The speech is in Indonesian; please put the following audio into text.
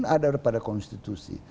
kebenaran ada pada konstitusi